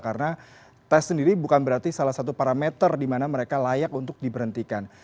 karena tes sendiri bukan berarti salah satu parameter di mana mereka layak untuk diberhentikan